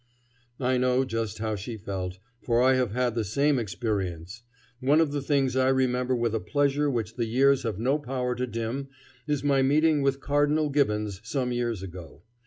I know just how she felt, for I have had the same experience. One of the things I remember with a pleasure which the years have no power to dim is my meeting with Cardinal Gibbons some years ago.